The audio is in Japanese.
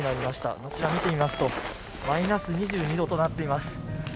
あちら見てみますと、マイナス２２度となっています。